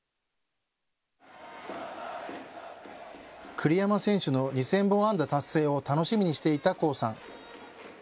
栗山選手の２０００本安打達成を楽しみにしていた巧さん。